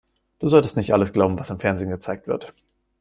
Du solltest nicht alles glauben, was im Fernsehen gezeigt wird.